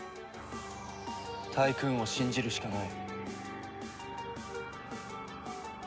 タイクーンを信じるしかない。